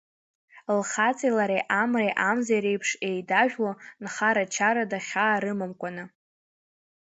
Лхаҵеи лареи амреи амзеи реиԥш еидажәло, нхара-чарада хьаа рымамкәаны.